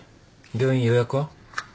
病院予約は？